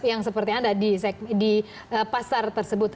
yang seperti anda di pasar tersebut